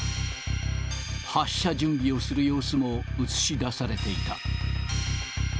発射準備をする様子も映し出されていた。